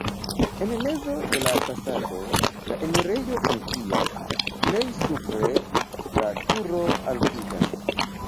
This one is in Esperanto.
En mezo de la fasado la enirejo funkcias, plej supre la turo altiĝas.